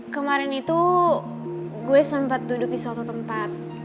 kemarin itu gue sempat duduk di suatu tempat